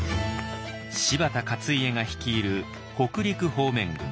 柴田勝家が率いる北陸方面軍。